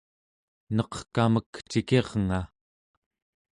neqkamek cikirnga!